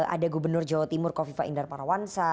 ada gubernur jawa timur kofifa indar parawansa